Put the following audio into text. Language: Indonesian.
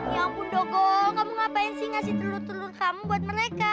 ya ampun dogo kamu ngapain sih ngasih telur telur kamu buat mereka